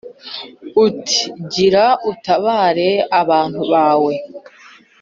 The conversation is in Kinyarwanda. uti gira utabare abantu bawe